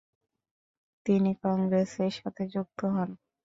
তিনি কংগ্রেসের সাথে যুক্ত হন।